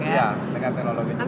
iya dengan teknologi jepang